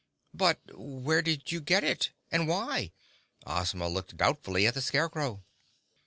"But where did you get it—and why?" Ozma looked doubtfully at the Scarecrow.